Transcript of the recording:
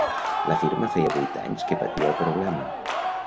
La firma feia vuit anys que patia el problema.